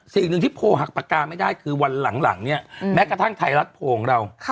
สิ่งหนึ่งที่โพลหักปากกาไม่ได้คือวันหลังเนี่ยแม้กระทั่งไทยรัฐโพลของเรา